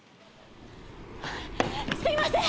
すいません！